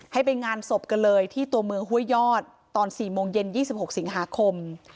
ให้ไปงานศพกันเลยที่ตัวเมืองห้วยยอดตอน๔โมงเย็น๒๖สิงหาคม